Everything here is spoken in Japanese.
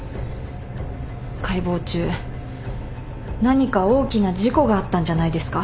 解剖中何か大きな事故があったんじゃないですか？